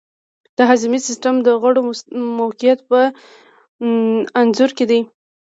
د هاضمې سیستم د غړو موقیعت په انځور کې دی.